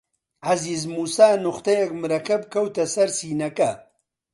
عەزیز مووسا نوختەیەک مەرەکەب کەوتە سەر سینەکە